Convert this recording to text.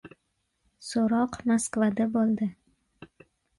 So‘roq Moskvada bo‘ldi.